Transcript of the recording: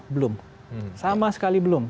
belum sama sekali belum